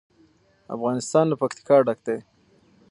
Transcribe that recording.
افغانستان له پکتیکا ډک دی.